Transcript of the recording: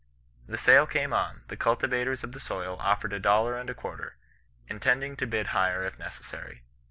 ^ The sale came on; the cultivators of the soil offered a dollar and a quarter, intending to bid higher if neces sary.